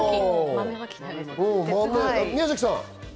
宮崎さん。